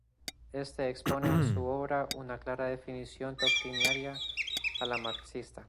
Este expone en su obra una clara definición doctrinaria, la marxista.